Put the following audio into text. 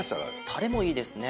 タレもいいですね。